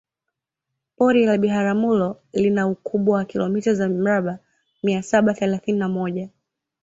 Pori la Biharamulo lina ukubwa wa kilomita za mraba mia saba thelathini na moja